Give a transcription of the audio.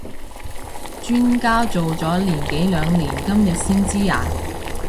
磚家做咗年幾兩年今日先知呀？